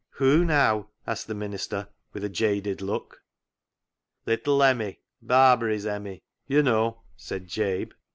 " Who now ?" asked the minister, with a jaded look. "Little Emmie; Barbary's Emmie, you know," said Jabe.